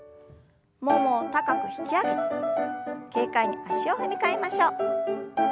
ももを高く引き上げて軽快に足を踏み替えましょう。